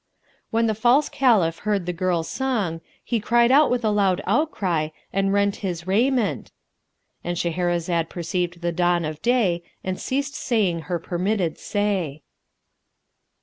When the false Caliph heard the girl's song, he cried out with a loud outcry and rent his raiment,—And Shahrazad perceived the dawn of day and ceased saying her permitted say.